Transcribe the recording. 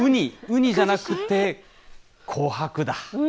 ウニじゃなくて、琥珀だ。